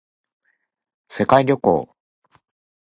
世界旅行